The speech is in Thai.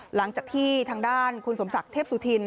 หลังจากที่ทางด้านคุณสมศักดิ์เทพสุธิน